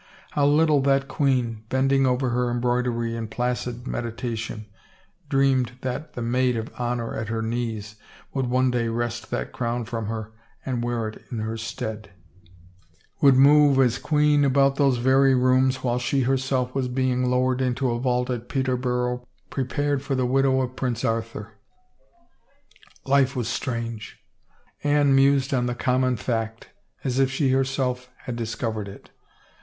How little that queen, bending over her embroidery in placid meditation, dreamed that the maid of honor at her knees would one day wrest that crown from her and wear it in her stead — would move as queen about those very rooms while she herself was being lowered into a vault at Peterborough prepared for the widow of Prince Arthur ! Life was strange. Anne mused on the common fact, as if she herself had discov ered it.